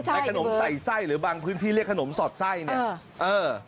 ไอ้ขนมใส่ไส้หรือบางพื้นที่เรียกขนมสอดไส้เนี่ยเออ